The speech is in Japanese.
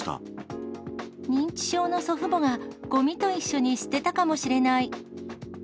認知症の祖父母がごみと一緒に捨てたかもしれない。